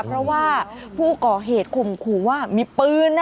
เพราะว่าผู้ก่อเหตุข่มขู่ว่ามีปืนนะ